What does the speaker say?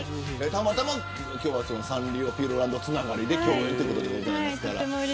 たまたま今日はサンリオピューロランドつながりで共演ということです。